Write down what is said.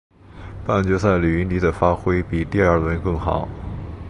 半决赛李云迪的发挥比第二轮更好。